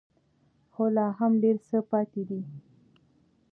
خو لا هم ډېر څه پاتې دي.